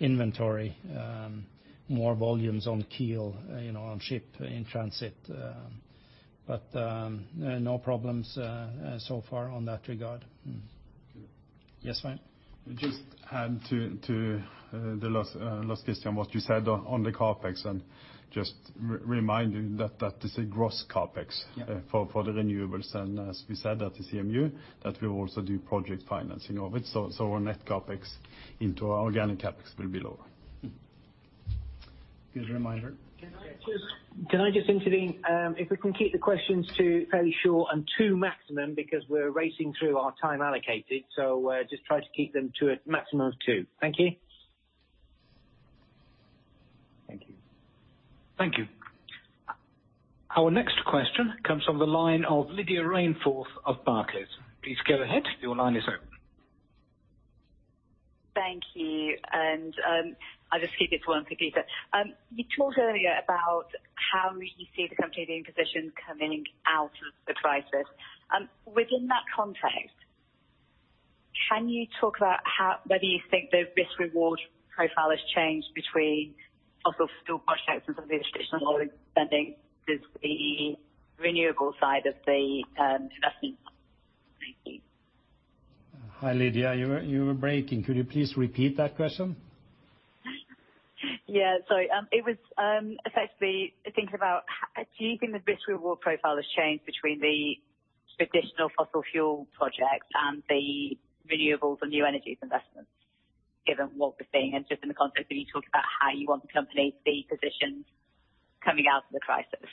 inventory. More volumes on keel, on ship in transit. No problems so far on that regard. Yes, Svein? Just adding to the last question, what you said on the CapEx, just reminding that that is a gross CapEx. Yeah for the renewables. As we said at the CMU, that we will also do project financing of it. Our net CapEx into our organic CapEx will be lower. Good reminder. Can I just intervene? If we can keep the questions to fairly short and two maximum, because we're racing through our time allocated. Just try to keep them to a maximum of two. Thank you. Thank you. Our next question comes from the line of Lydia Rainforth of Barclays. Please go ahead, your line is open. Thank you. I'll just keep it to one for Peter. You talked earlier about how you see the company being positioned coming out of the crisis. Within that context, can you talk about whether you think the risk-reward profile has changed between fossil fuel projects and some of the additional spending with the renewable side of the investment? Thank you. Hi, Lydia. You were breaking. Could you please repeat that question? Yeah, sorry. It was effectively thinking about do you think the risk-reward profile has changed between the traditional fossil fuel projects and the renewables and new energies investments, given what we're seeing and just in the context that you talked about how you want the company to be positioned coming out of the crisis?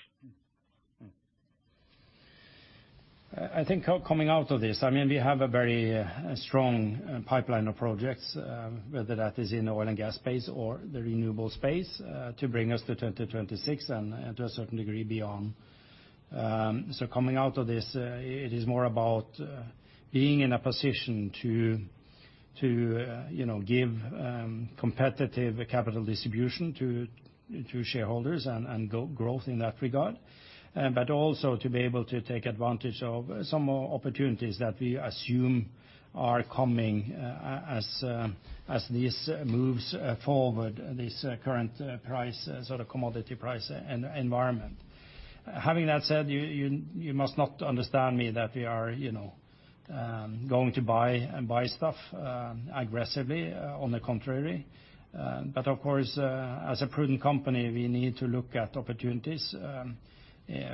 I think coming out of this, we have a very strong pipeline of projects, whether that is in oil and gas space or the renewable space, to bring us to 2026 and to a certain degree, beyond. Coming out of this it is more about being in a position to give competitive capital distribution to shareholders and growth in that regard, but also to be able to take advantage of some more opportunities that we assume are coming as this moves forward, this current commodity price environment. Having that said, you must not understand me that we are going to buy stuff aggressively. On the contrary. Of course, as a prudent company, we need to look at opportunities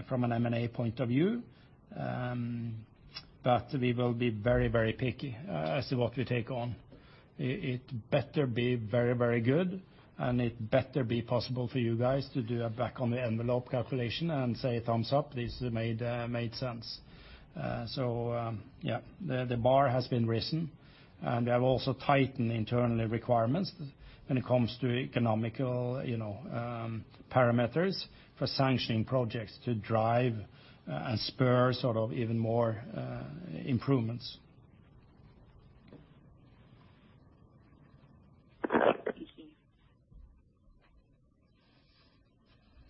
from an an M&A point of view. We will be very picky as to what we take on. It better be very good, it better be possible for you guys to do a back-on-the-envelope calculation and say, "Thumbs up, this made sense." Yeah, the bar has been risen, and we have also tightened internal requirements when it comes to economical parameters for sanctioning projects to drive and spur even more improvements. Thank you.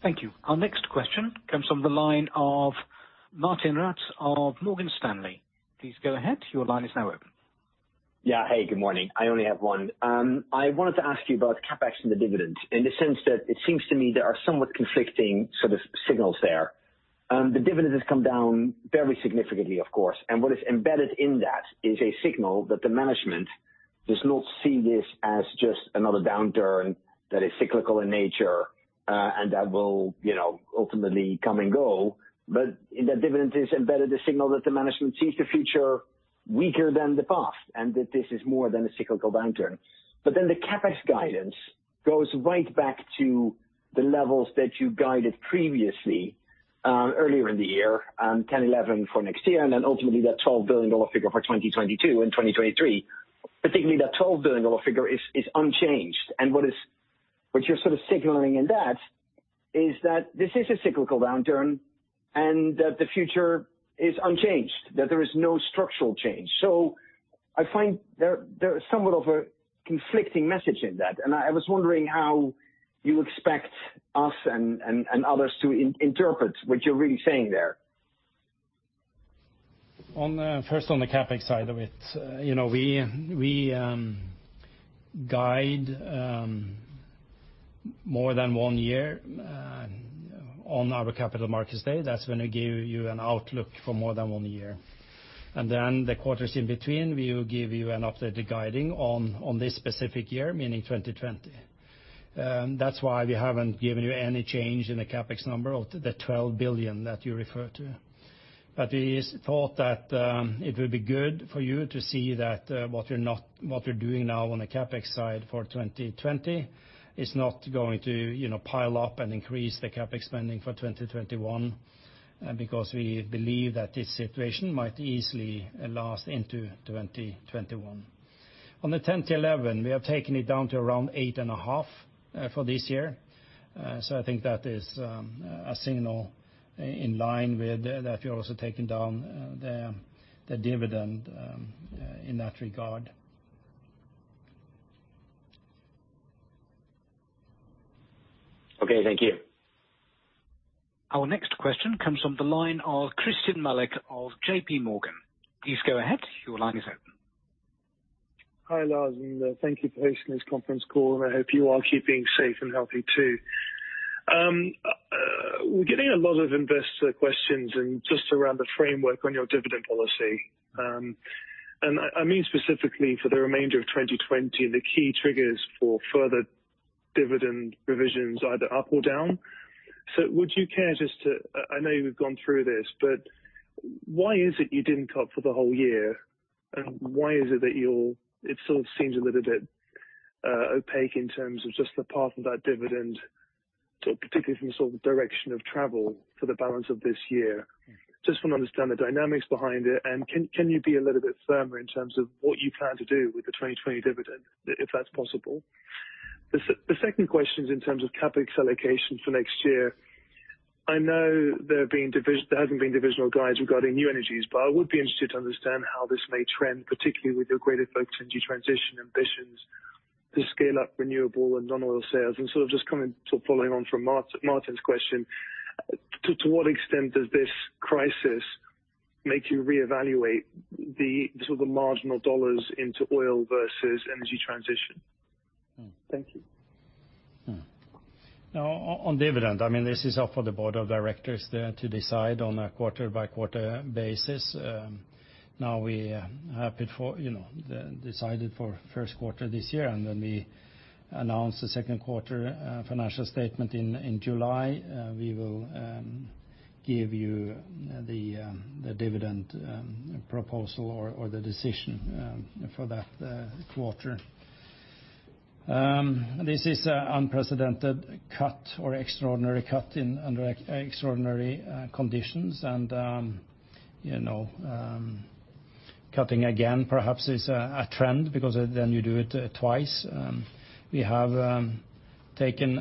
Thank you. Our next question comes from the line of Martijn Rats of Morgan Stanley. Please go ahead. Your line is now open. Yeah. Hey, good morning. I only have one. I wanted to ask you about CapEx and the dividends in the sense that it seems to me there are somewhat conflicting sort of signals there. The dividend has come down very significantly, of course, and what is embedded in that is a signal that the management does not see this as just another downturn that is cyclical in nature and that will ultimately come and go. In that dividend is embedded a signal that the management sees the future weaker than the past, and that this is more than a cyclical downturn. The CapEx guidance goes right back to the levels that you guided previously, earlier in the year, $10 billion-$11 billion for next year, and then ultimately that $12 billion figure for 2022 and 2023. Particularly that $12 billion figure is unchanged, what you're sort of signaling in that is that this is a cyclical downturn and that the future is unchanged, that there is no structural change. I find there is somewhat of a conflicting message in that, and I was wondering how you expect us and others to interpret what you're really saying there. First, on the CapEx side of it. We guide more than one year on our Capital Markets Day. That's when we give you an outlook for more than one year. The quarters in between, we will give you an updated guiding on this specific year, meaning 2020. That's why we haven't given you any change in the CapEx number of the $12 billion that you refer to. It is thought that it would be good for you to see that what we're doing now on the CapEx side for 2020 is not going to pile up and increase the CapEx spending for 2021, because we believe that this situation might easily last into 2021. On the $10 billion-$11 billion, we have taken it down to around $8.5 Billion for this year. I think that is a signal in line with that we are also taking down the dividend in that regard. Okay, thank you. Our next question comes from the line of Christyan Malek of JPMorgan. Please go ahead. Your line is open. Hi, Lars, thank you for hosting this conference call, I hope you are keeping safe and healthy too. We're getting a lot of investor questions just around the framework on your dividend policy. I mean specifically for the remainder of 2020, the key triggers for further dividend provisions either up or down. Would you care just to I know you've gone through this, why is it you didn't cut for the whole year? Why is it that it sort of seems a little bit opaque in terms of just the path of that dividend. Particularly from the direction of travel for the balance of this year. Just want to understand the dynamics behind it can you be a little bit firmer in terms of what you plan to do with the 2020 dividend, if that's possible? The second question is in terms of CapEx allocation for next year. I know there haven't been divisional guides regarding new energies, but I would be interested to understand how this may trend, particularly with your greater focus on energy transition ambitions to scale up renewable and non-oil sales. Just coming to following on from Martijn's question, to what extent does this crisis make you reevaluate the marginal dollars into oil versus energy transition? Thank you. On dividend, this is up for the board of directors there to decide on a quarter-by-quarter basis. We have decided for first quarter this year, and when we announce the second quarter financial statement in July, we will give you the dividend proposal or the decision for that quarter. This is unprecedented cut or extraordinary cut under extraordinary conditions. Cutting again perhaps is a trend because then you do it twice. We have taken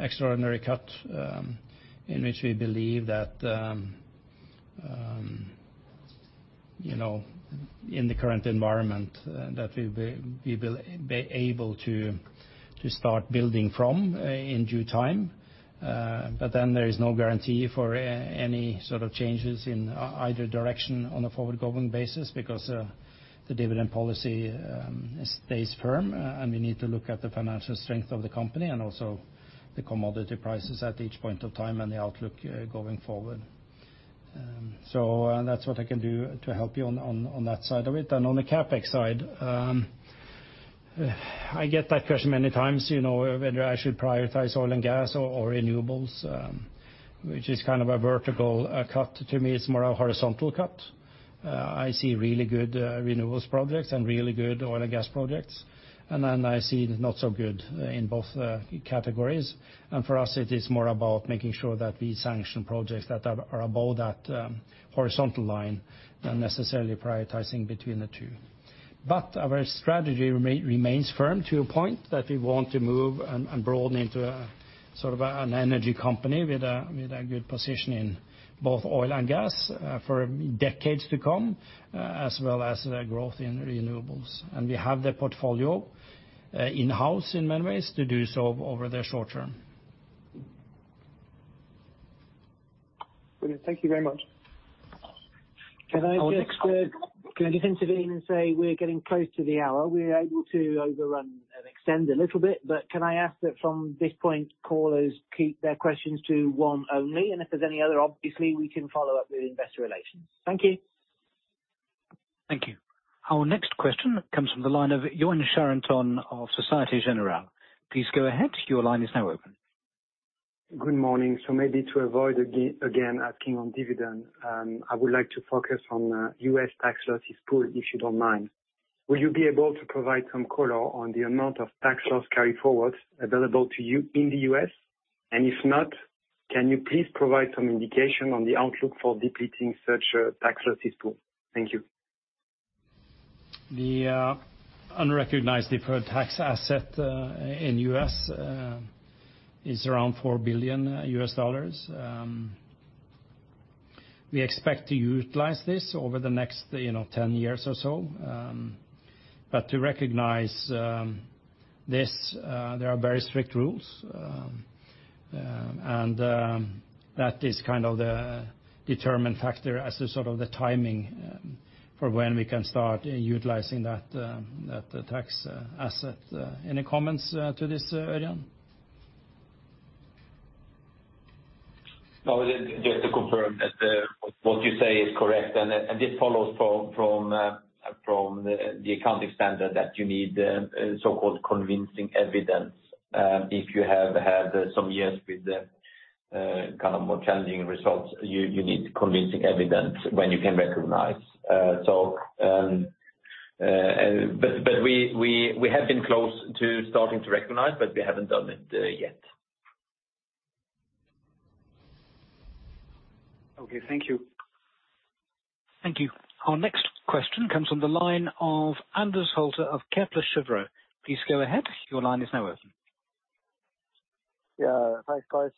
extraordinary cut, in which we believe that in the current environment that we will be able to start building from in due time. There is no guarantee for any sort of changes in either direction on a forward-going basis because the dividend policy stays firm and we need to look at the financial strength of the company and also the commodity prices at each point of time and the outlook going forward. That's what I can do to help you on that side of it. On the CapEx side, I get that question many times, whether I should prioritize oil and gas or renewables, which is kind of a vertical cut. To me, it's more a horizontal cut. I see really good renewables projects and really good oil and gas projects. I see not so good in both categories. For us, it is more about making sure that we sanction projects that are above that horizontal line than necessarily prioritizing between the two. Our strategy remains firm to a point that we want to move and broaden into a sort of an energy company with a good position in both oil and gas for decades to come, as well as the growth in renewables. We have the portfolio in-house in many ways to do so over the short term. Brilliant. Thank you very much. Can I just intervene and say we're getting close to the hour. We're able to overrun and extend a little bit, but can I ask that from this point, callers keep their questions to one only, and if there's any other, obviously, we can follow up with investor relations. Thank you. Thank you. Our next question comes from the line of Yoann Charenton of Société Générale. Please go ahead. Your line is now open. Good morning. Maybe to avoid again asking on dividend, I would like to focus on U.S. tax losses pool, if you don't mind. Will you be able to provide some color on the amount of tax loss carry-forwards available to you in the U.S.? If not, can you please provide some indication on the outlook for depleting such a tax losses pool? Thank you. The unrecognized deferred tax asset in U.S. is around $4 billion. We expect to utilize this over the next 10 years or so. To recognize this, there are very strict rules. That is kind of the determining factor as to sort of the timing for when we can start utilizing that tax asset. Any comments to this, Ørjan? Just to confirm that what you say is correct, this follows from the accounting standard that you need so-called convincing evidence. If you have had some years with the more challenging results, you need convincing evidence when you can recognize. We have been close to starting to recognize, we haven't done it yet. Okay, thank you. Thank you. Our next question comes from the line of Anders Holte of Kepler Cheuvreux. Please go ahead. Your line is now open. Yeah. Thanks, guys.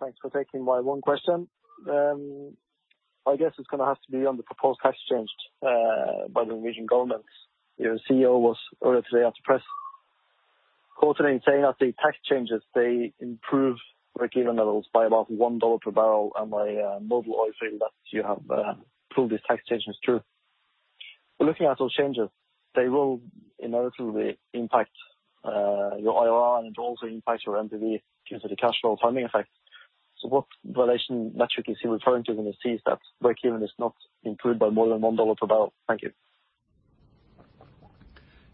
Thanks for taking my one question. I guess it's going to have to be on the proposed tax changed by the Norwegian government. Your CEO was earlier today at the press quoting, saying that the tax changes, they improve break-even levels by about $1 per barrel and by model oil field that you have proved these tax changes through. Looking at those changes, they will inevitably impact your IRR, and it also impacts your NPV due to the cash flow timing effect. What valuation metric is he referring to when he says that break-even is not improved by more than $1 per barrel? Thank you.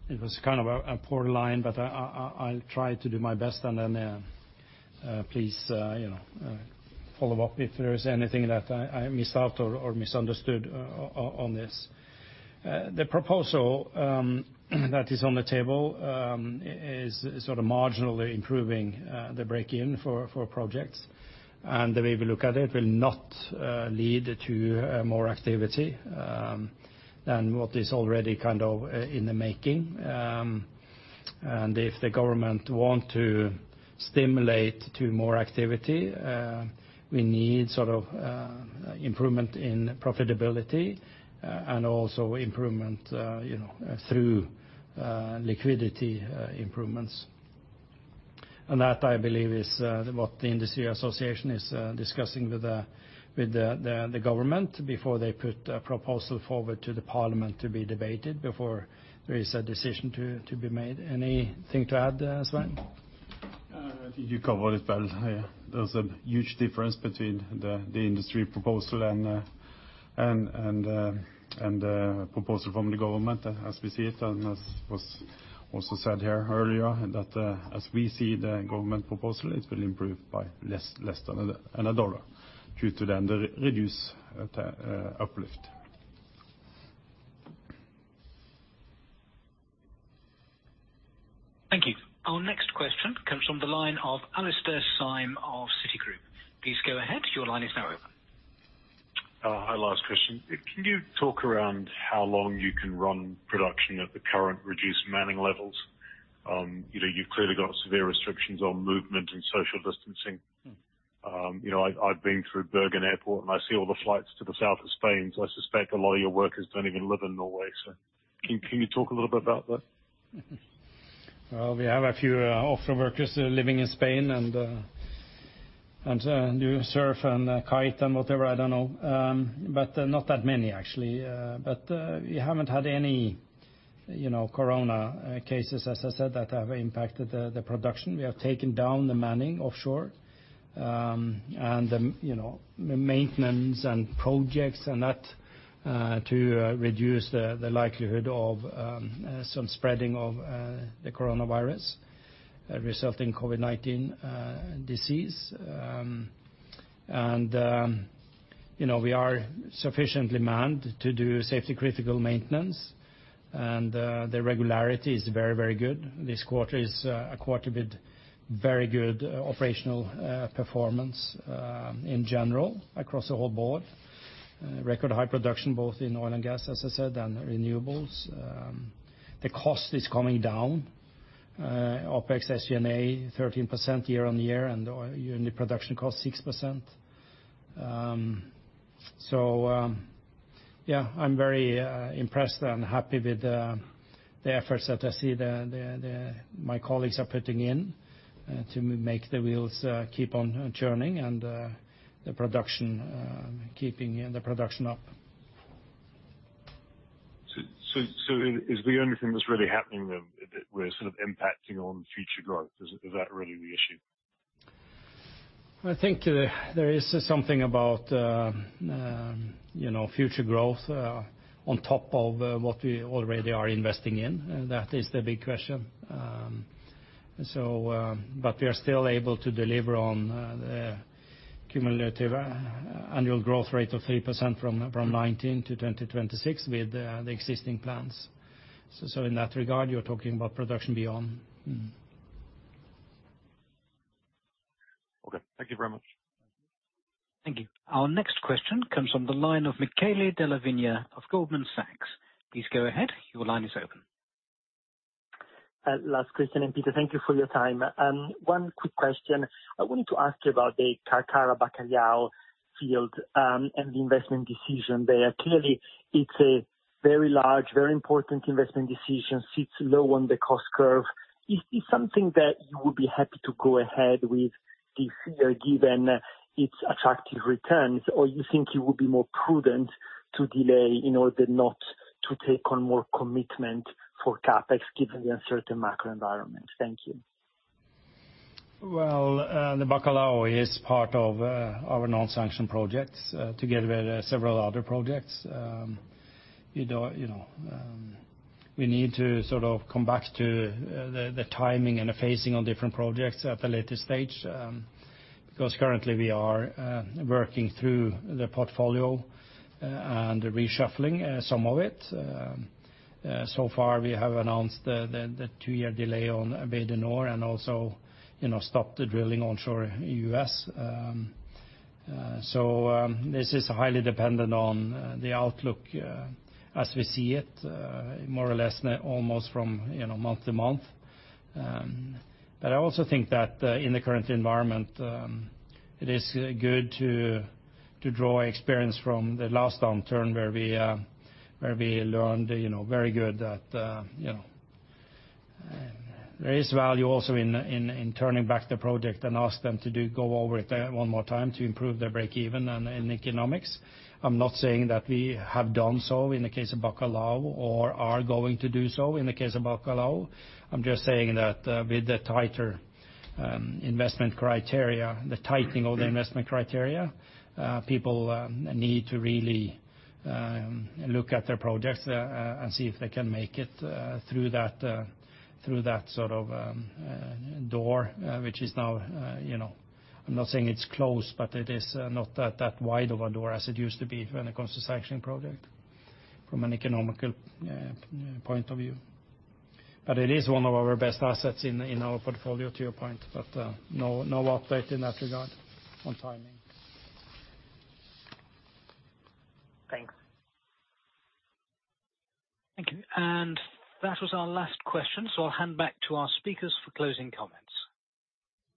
It was kind of a poor line, but I'll try to do my best on that. Please follow up if there is anything that I missed out or misunderstood on this. The proposal that is on the table is marginally improving the break even for projects. The way we look at it will not lead to more activity than what is already in the making. If the government want to stimulate to more activity, we need improvement in profitability and also improvement through liquidity improvements. That, I believe, is what the industry association is discussing with the government before they put a proposal forward to the Parliament to be debated before there is a decision to be made. Anything to add, Svein? I think you covered it well. There's a huge difference between the industry proposal and the proposal from the government as we see it, and as was also said here earlier, that as we see the government proposal, it will improve by less than $1 due to the reduced uplift. Thank you. Our next question comes from the line of Alastair Syme of Citigroup. Please go ahead. Your line is now open. Hi, Lars Christian. Can you talk around how long you can run production at the current reduced manning levels? You've clearly got severe restrictions on movement and social distancing. I've been through Bergen Airport, and I see all the flights to the south of Spain. I suspect a lot of your workers don't even live in Norway. Can you talk a little bit about that? Well, we have a few offshore workers living in Spain and do surf and kite and whatever, I don't know. Not that many, actually. We haven't had any corona cases, as I said, that have impacted the production. We have taken down the manning offshore. The maintenance and projects and that to reduce the likelihood of some spreading of the coronavirus resulting COVID-19 disease. We are sufficiently manned to do safety critical maintenance, and the regularity is very, very good. This quarter is a quarter with very good operational performance in general across the whole board. Record high production, both in oil and gas, as I said, and renewables. The cost is coming down, OpEx SG&A 13% year-on-year, and the production cost 6%. Yeah, I'm very impressed and happy with the efforts that I see my colleagues are putting in to make the wheels keep on churning and keeping the production up. Is the only thing that's really happening then that we're sort of impacting on future growth? Is that really the issue? I think there is something about future growth on top of what we already are investing in. That is the big question. We are still able to deliver on the cumulative annual growth rate of 3% from 2019 to 2026 with the existing plans. In that regard, you're talking about production beyond. Okay. Thank you very much. Thank you. Our next question comes from the line of Michele Della Vigna of Goldman Sachs. Please go ahead. Your line is open. Lars Christian and Peter, thank you for your time. One quick question. I wanted to ask you about the Carcará Bacalhau field and the investment decision there. Clearly, it's a very large, very important investment decision, sits low on the cost curve. Is this something that you would be happy to go ahead with this year given its attractive returns, or you think you would be more prudent to delay in order not to take on more commitment for CapEx given the uncertain macro environment? Thank you. Well, the Bacalhau is part of our non-sanction projects together with several other projects. We need to sort of come back to the timing and the phasing on different projects at a later stage, because currently we are working through the portfolio and reshuffling some of it. So far, we have announced the two-year delay on Bay du Nord and also stopped the drilling onshore U.S. This is highly dependent on the outlook as we see it, more or less almost from month-to-month. I also think that in the current environment, it is good to draw experience from the last downturn where we learned very good that there is value also in turning back the project and ask them to go over it one more time to improve their break even and economics. I'm not saying that we have done so in the case of Bacalhau or are going to do so in the case of Bacalhau. I'm just saying that with the tighter investment criteria, the tightening of the investment criteria, people need to really look at their projects and see if they can make it through that sort of door, which is now, I'm not saying it's closed, but it is not that wide of a door as it used to be when it comes to sanction project from an economical point of view. It is one of our best assets in our portfolio, to your point, but no update in that regard on timing. Thanks. Thank you. That was our last question. I'll hand back to our speakers for closing comments.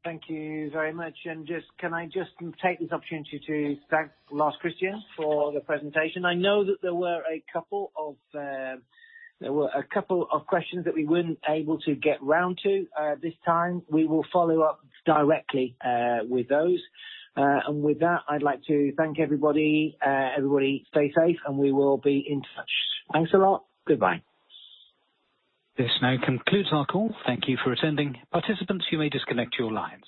Thank you very much. Can I just take this opportunity to thank Lars Christian for the presentation. I know that there were a couple of questions that we weren't able to get round to this time. We will follow up directly with those. With that, I'd like to thank everybody. Everybody stay safe and we will be in touch. Thanks a lot. Goodbye. This now concludes our call. Thank you for attending. Participants, you may disconnect your lines.